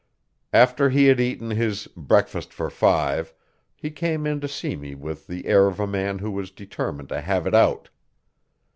After he had eaten his "breakfast for five" he came in to see me with the air of a man who was determined to have it out.